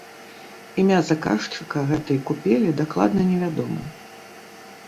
Імя заказчыка гэтай купелі дакладна невядома.